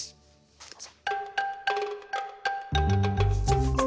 どうぞ。